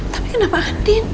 tapi kenapa andin